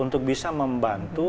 untuk bisa membantu